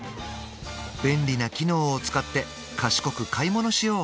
便利な機能を使って賢く買い物しよう